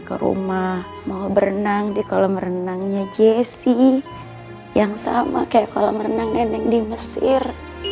ke rumah mau berenang di kolam renangnya jessi yang sama kayak kolam renang nenek di mesir